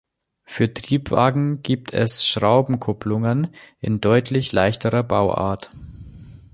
Für Triebwagen gibt es Schraubenkupplungen in deutlich leichterer Bauart.